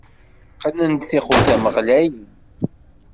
Qqnen-d tixutam ɣlayen.